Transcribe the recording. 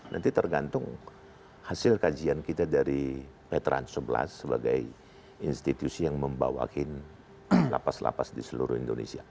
nanti tergantung hasil kajian kita dari veteran sebelas sebagai institusi yang membawakan lapas lapas di seluruh indonesia